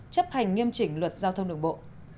chấp hành nghiêm chỉnh luật giao thông đồng bộ